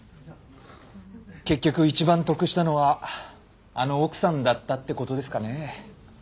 結局一番得したのはあの奥さんだったって事ですかね。